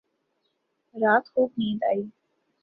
رات خوب نیند آئی